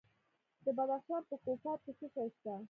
د بدخشان په کوف اب کې څه شی شته؟